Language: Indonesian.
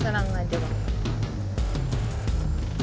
senang aja banget